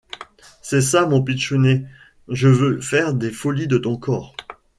C’est ça mon Pitchounet, je veux faire des folies de ton corps. ..